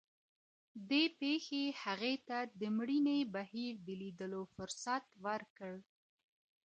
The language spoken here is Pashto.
دې پېښې هغې ته د مړینې بهیر د لیدلو فرصت ورکړ.